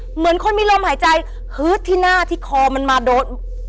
เหมือนคนมีลมหายใจฮึดที่หน้าที่คอมันมาโดน